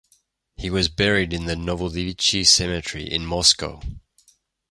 He was buried in the Novodevichy Cemetery in Moscow.